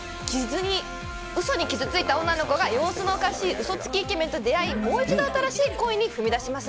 うそに傷ついた女の子が、様子のおかしいうそつきイケメンと出会い、もう一度新しい恋に踏み出します。